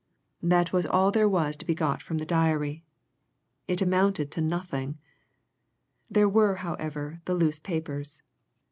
That was all there was to be got from the diary. It amounted to nothing. There were, however, the loose papers.